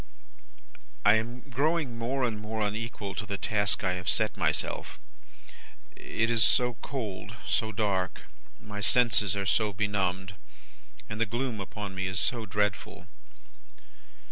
"I am growing more and more unequal to the task I have set myself. It is so cold, so dark, my senses are so benumbed, and the gloom upon me is so dreadful.